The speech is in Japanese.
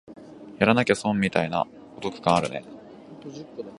やらなきゃ損みたいなお得感あるね